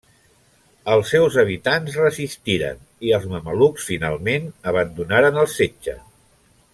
Els seus habitant resistiren i els mamelucs finalment abandonaren el setge.